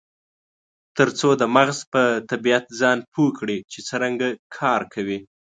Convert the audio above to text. ترڅو د مغز په طبیعت ځان پوه کړي چې څرنګه کار کوي.